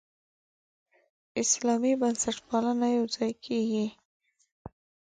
اسلامي بنسټپالنه یوځای کېږي.